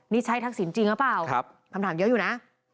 นี่ใช่ทักษิณจริงหรือเปล่าคำถามเยอะอยู่นะ